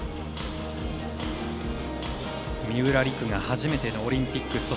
三浦璃来が初めてのオリンピック。